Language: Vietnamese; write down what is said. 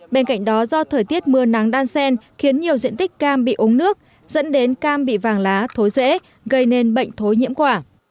bên cạnh đó do thời tiết mưa nắng đan sen khiến nhiều diện tích cam bị úng nước dẫn đến cam bị vàng lá thối rễ gây nên bệnh thối nhiễm quả